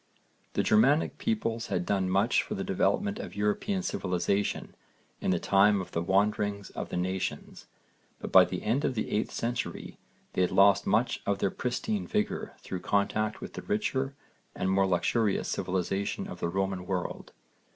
The Germanic peoples had done much for the development of European civilisation in the time of the wanderings of the nations, but by the end of the 8th century they had lost much of their pristine vigour through contact with the richer and more luxurious civilisation of the Roman world.